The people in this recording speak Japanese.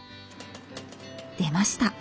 出ました！